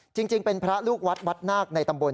จริงเป็นพระลูกวัดวัดนาคในตำบล